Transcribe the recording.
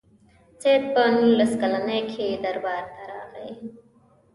سید په نولس کلني کې دربار ته راغی.